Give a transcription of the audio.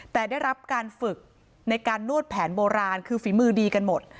แต่ได้รับการฝึกในการนวดแผนโบราณคือฝีมือดีกันหมด